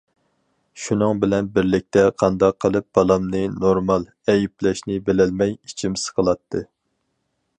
شۇنىڭ بىلەن بىرلىكتە، قانداق قىلىپ بالامنى« نورمال» ئەيىبلەشنى بىلەلمەي ئىچىم سىقىلاتتى.